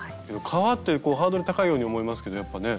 革ってハードル高いように思えますけどやっぱね。